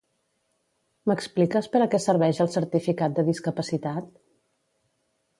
M'expliques per a què serveix el certificat de discapacitat?